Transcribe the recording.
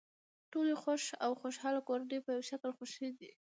ټولې خوښ او خوشحاله کورنۍ په یوه شکل خوښې دي.